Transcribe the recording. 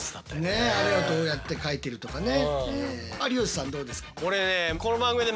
ねえあれをどうやって描いてるとかね。